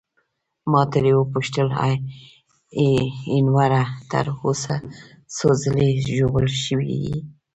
ما ترې وپوښتل: ایټوره، تر اوسه څو ځلي ژوبل شوی یې؟